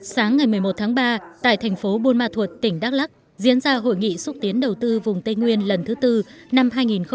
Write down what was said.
sáng ngày một mươi một tháng ba tại thành phố buôn ma thuột tỉnh đắk lắc diễn ra hội nghị xúc tiến đầu tư vùng tây nguyên lần thứ tư năm hai nghìn hai mươi